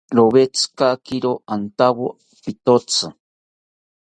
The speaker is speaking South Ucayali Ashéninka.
Rowetzikakiro antowo pitotzi